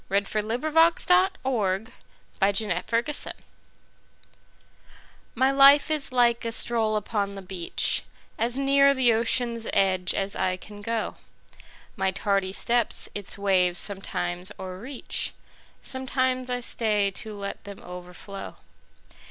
By Henry DavidThoreau 301 The Fisher's Boy MY life is like a stroll upon the beach, As near the ocean's edge as I can go; My tardy steps its waves sometimes o'erreach, Sometimes I stay to let them overflow.